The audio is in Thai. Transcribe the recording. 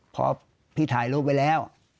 พอพี่ถ่ายรูปไว้แล้ว